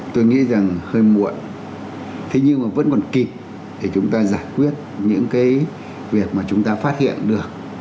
tôi nghĩ rằng hơi muộn thế nhưng mà vẫn còn kịp thì chúng ta giải quyết những cái việc mà chúng ta phát hiện được